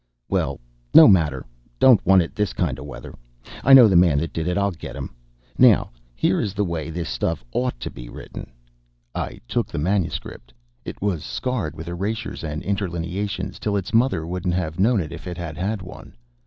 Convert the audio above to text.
"Well, no matter don't want it this kind of weather. I know the man that did it. I'll get him. Now, here is the way this stuff ought to be written." I took the manuscript. It was scarred with erasures and interlineations till its mother wouldn't have known it if it had had one.